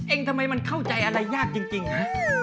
ทำไมมันเข้าใจอะไรยากจริงฮะ